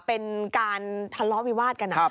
เป็นการทะเลาะวิวาดกัน